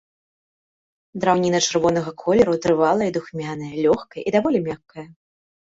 Драўніна чырвонага колеру, трывалая і духмяная, лёгкая і даволі мяккая.